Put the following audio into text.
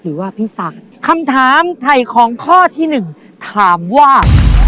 หรือว่าพี่ศักดิ์คำถามไถ่ของข้อที่หนึ่งถามว่า